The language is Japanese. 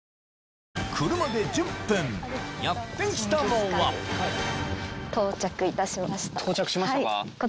車で１０分やって来たのは到着しましたか？